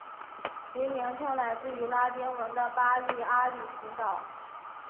其名称来自于拉丁文的巴利阿里群岛。